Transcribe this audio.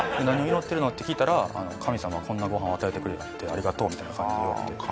「何を祈ってるの？」って聞いたら「神様こんなご飯を与えてくれてありがとう」みたいな感じで言われて。